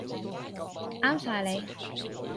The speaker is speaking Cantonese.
啱晒你